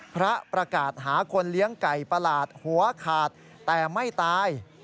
ประกาศหาคนเลี้ยงไก่ประหลาดหัวขาดแต่ไม่ตาย